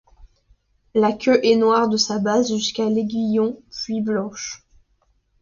La queue est noire de sa base jusqu'à l'aiguillon puis blanche.